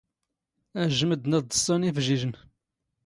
ⴰⵊⵊ ⵎⴷⴷⵏ ⴰⴷ ⴹⵚⵚⴰⵏ ⵉⴼⵊⵉⵊⵏ.